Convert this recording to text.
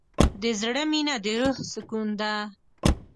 د زړه مینه د روح سکون ده.